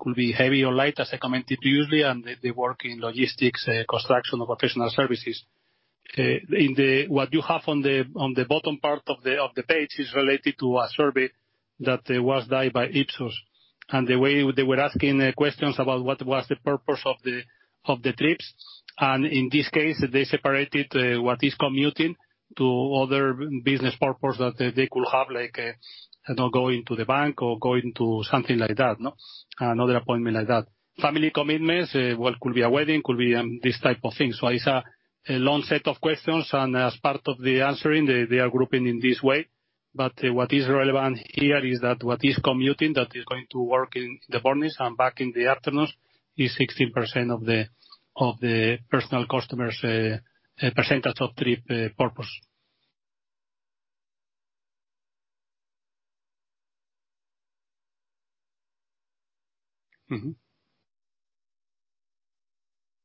could be heavy or light, as I commented usually, and they work in logistics, construction or professional services. What you have on the bottom part of the page is related to a survey that was done by Ipsos. The way they were asking questions about what was the purpose of the trips, and in this case, they separated what is commuting to other business purpose that they could have like, you know, going to the bank or going to something like that, no? Another appointment like that. Family commitments, well, could be a wedding, could be this type of thing. It's a long set of questions, and as part of the answering, they are grouping in this way. What is relevant here is that what is commuting, that is going to work in the mornings and back in the afternoons, is 16% of the personal customers' percentage of trip purpose.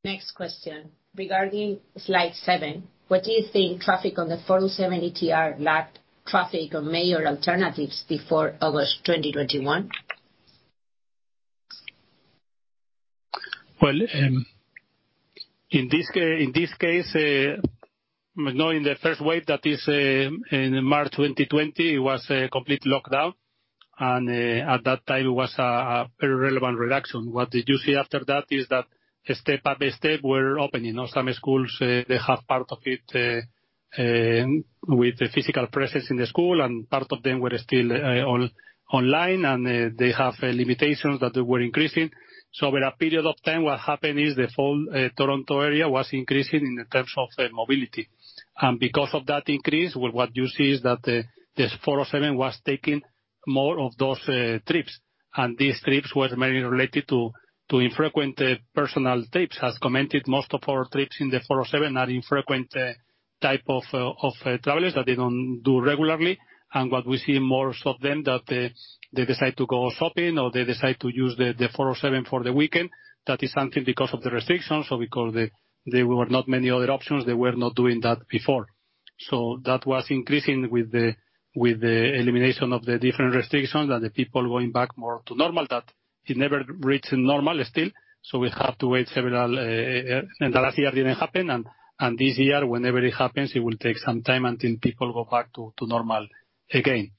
Next question. Regarding slide seven, what do you think of traffic on the 407 ETR? Lack of traffic or major alternatives before August 2021? Well, in this case, knowing the first wave that is in March 2020, it was a complete lockdown. At that time it was a relevant reduction. What did you see after that is that step by step we're opening, you know? Some schools, they have part of it with the physical presence in the school, and part of them were still online, and they have limitations that they were increasing. Over a period of time, what happened is the full Toronto area was increasing in terms of mobility. Because of that increase, what you see is that this 407 was taking more of those trips. These trips were mainly related to infrequent personal trips. As commented, most of our trips in the 407 are infrequent type of travelers that they don't do regularly. What we see most of them that they decide to go shopping, or they decide to use the 407 for the weekend. That is something because of the restrictions, because there were not many other options, they were not doing that before. That was increasing with the elimination of the different restrictions and the people going back more to normal, that it never reached normal still, so we have to wait several. The last year didn't happen, and this year, whenever it happens, it will take some time until people go back to normal again.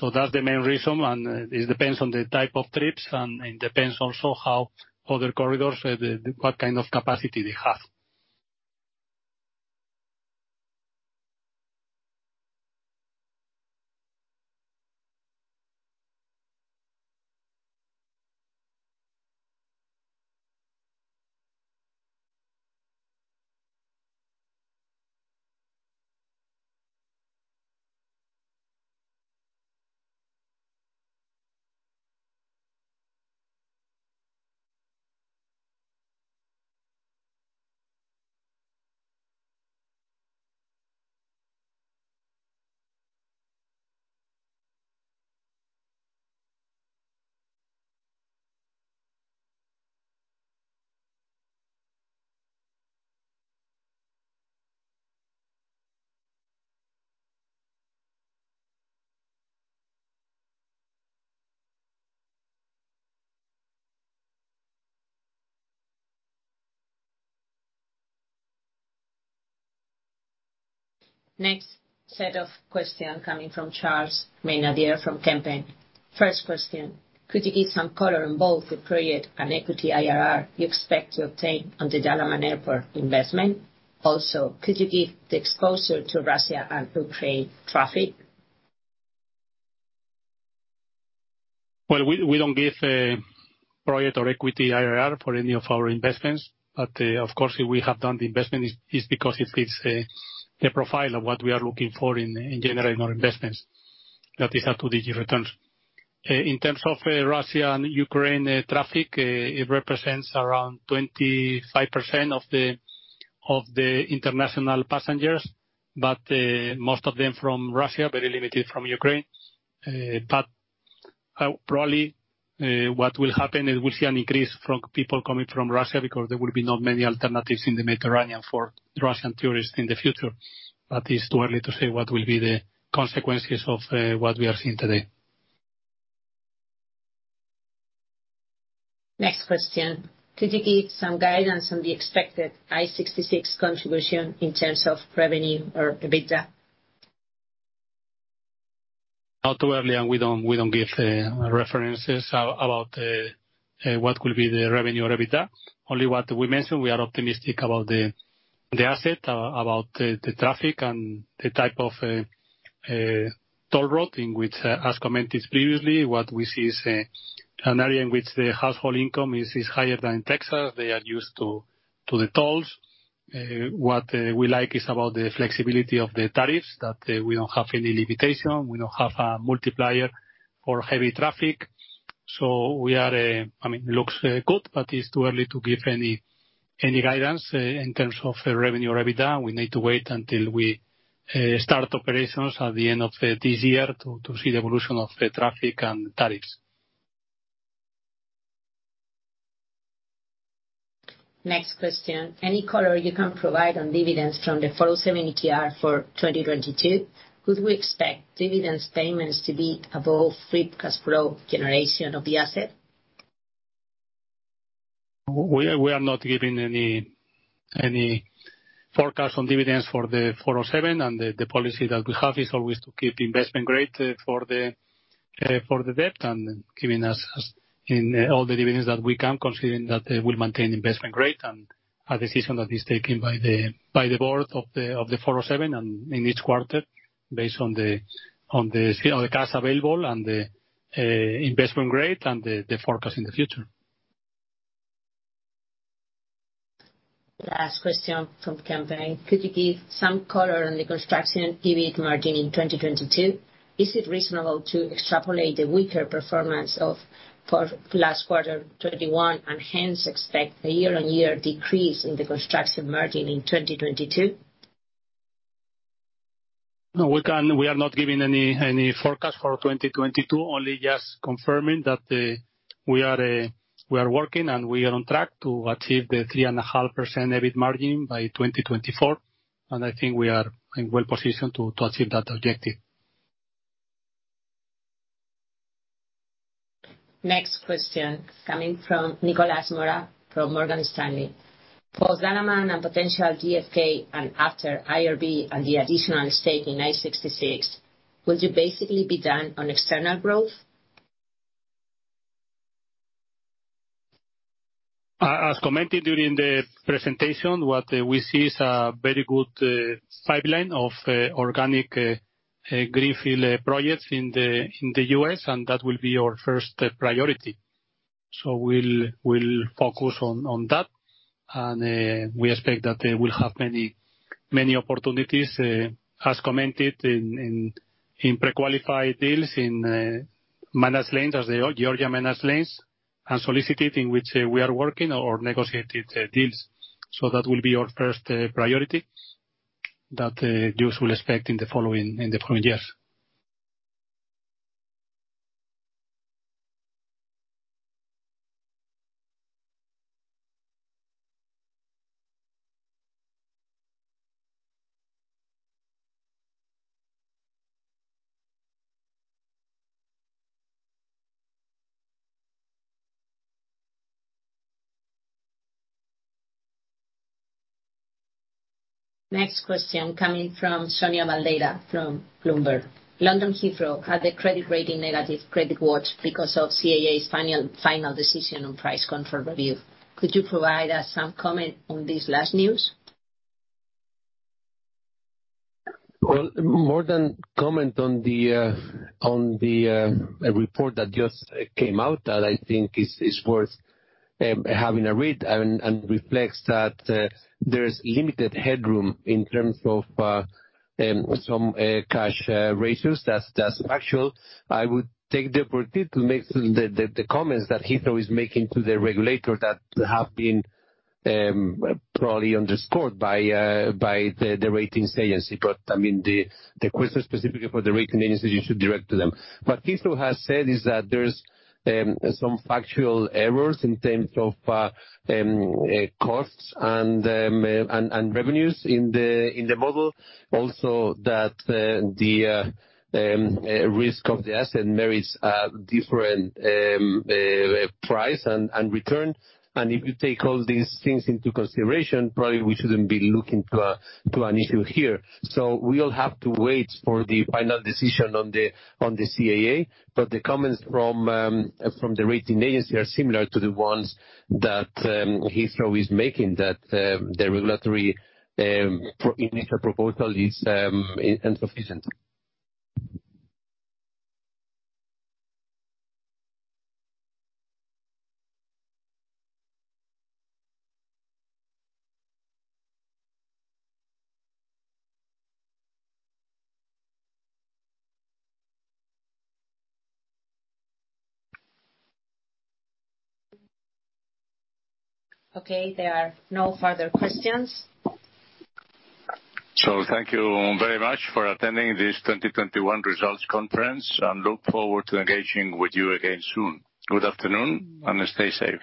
That's the main reason, and it depends on the type of trips, and it depends also how other corridors, what kind of capacity they have. Next set of questions coming from Charles Maynadier from Kempen. First question, could you give some color on both the period and equity IRR you expect to obtain on the Dalaman Airport investment? Also, could you give the exposure to Russia and Ukraine traffic? Well, we don't give private or equity IRR for any of our investments, but of course, if we have done the investment, it's because it fits the profile of what we are looking for in generating our investments. That is how do they give returns. In terms of Russia and Ukraine traffic, it represents around 25% of the international passengers, but most of them from Russia, very limited from Ukraine. Probably, what will happen is we'll see an increase from people coming from Russia because there will be not many alternatives in the Mediterranean for Russian tourists in the future. It's too early to say what will be the consequences of what we are seeing today. Next question. Could you give some guidance on the expected I-66 contribution in terms of revenue or EBITDA? Too early, and we don't give references about what will be the revenue or EBITDA. Only what we mentioned, we are optimistic about the asset, about the traffic and the type of toll road in which, as commented previously, what we see is an area in which the household income is higher than Texas. They are used to the tolls. What we like is about the flexibility of the tariffs, that we don't have any limitation. We don't have a multiplier for heavy traffic. I mean, it looks good, but it's too early to give any guidance in terms of revenue or EBITDA. We need to wait until we start operations at the end of this year to see the evolution of the traffic and tariffs. Next question. Any color you can provide on dividends from the 407 ETR for 2022? Could we expect dividends payments to be above free cash flow generation of the asset? We are not giving any forecast on dividends for the 407, and the policy that we have is always to keep investment grade for the debt, and give us all the dividends that we can, considering that they will maintain investment grade. A decision that is taken by the board of the 407 in each quarter, based on the state of the cash available and the investment grade and the forecast in the future. Last question from Campbell. Could you give some color on the construction EBIT margin in 2022? Is it reasonable to extrapolate the weaker performance for last quarter 2021, and hence expect a year-on-year decrease in the construction margin in 2022? No, we are not giving any forecast for 2022. We are just confirming that we are working and we are on track to achieve the 3.5% EBIT margin by 2024, and I think we are well positioned to achieve that objective. Next question coming from Nicolas Mora from Morgan Stanley. Autema and potential JFK and after IRB and the additional stake in I-66, would you basically be done on external growth? As commented during the presentation, what we see is a very good pipeline of organic greenfield projects in the U.S., and that will be our first priority. We'll focus on that. We expect that we'll have many opportunities as commented in pre-qualified deals in managed lanes, as they are, Georgia managed lanes, and solicited which we are working or negotiated deals. That will be our first priority that you will expect in the following years. Next question coming from Sonia Baldeira from Bloomberg. London Heathrow had a credit rating negative credit watch because of CAA's final decision on price control review. Could you provide us some comment on this last news? Well, more to comment on the report that just came out, that I think is worth having a read and reflects that there's limited headroom in terms of some cash ratios. That's factual. I would take the opportunity to make some of the comments that Heathrow is making to the regulator that have been probably underscored by the ratings agency. I mean, the question specifically for the ratings agency, you should direct to them. What Heathrow has said is that there's some factual errors in terms of costs and revenues in the model. Also, that the risk of the asset merits a different price and return. If you take all these things into consideration, probably we shouldn't be looking to an issue here. We'll have to wait for the final decision on the CAA. The comments from the rating agency are similar to the ones that Heathrow is making, that the regulatory initial proposal is insufficient. Okay, there are no further questions. Thank you very much for attending this 2021 results conference and look forward to engaging with you again soon. Good afternoon and stay safe.